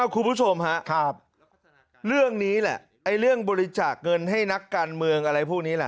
คุณผู้ชมฮะเรื่องนี้แหละเรื่องบริจาคเงินให้นักการเมืองอะไรพวกนี้แหละ